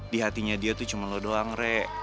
di hatinya dia tuh cuma lo doang rek